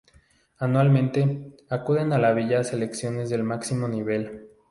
Anualmente acuden a la villa selecciones del máximo nivel.